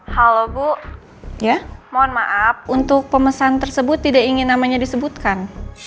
halo bu ya mohon maaf untuk pemesan tersebut tidak ingin namanya disebutkan